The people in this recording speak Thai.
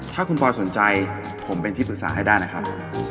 ถ้าคุณปอยสนใจผมเป็นที่ปรึกษาให้ได้นะครับ